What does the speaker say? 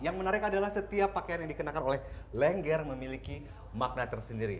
yang menarik adalah setiap pakaian yang dikenakan oleh lengger memiliki makna tersendiri